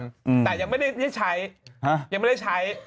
แต่ยังไม่ได้ใช้ยังไม่ได้ใช้